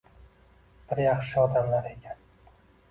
Bir yaxshi odamlar ekan.